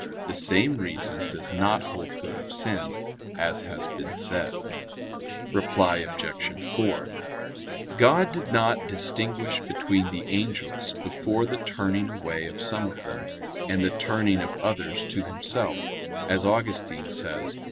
The same reason does not hold good of sin; as has been said. Reply Obj. 4: God did not distinguish between the angels before the turning away of some of them, and the turning of others to Himself, as Augustine says (De Civ.